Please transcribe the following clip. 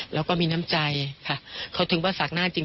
แล้วก็มีน้ำใจค่ะเขาถึงว่าสากหน้าจริง